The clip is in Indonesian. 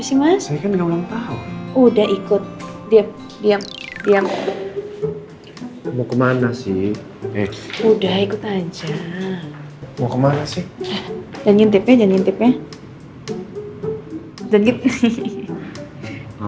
enak sekali pijitannya